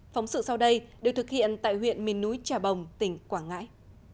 phóng sự sau đây được thực hiện tại huyện miền núi trà bồng tỉnh quảng ngãi